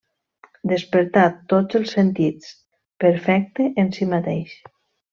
Despertar tots els sentits, perfecte en si mateix.